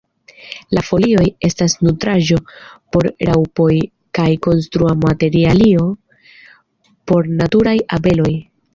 La folioj estas nutraĵo por raŭpoj kaj konstrumaterialo por naturaj abeloj.